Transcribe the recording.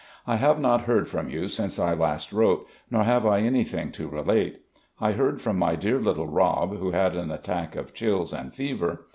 I have not heard from you since I last wrote; nor have I anything to relate. I heard from my dear little Rob, who had an attack of chills and fever.